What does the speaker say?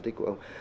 cảm ơn các bạn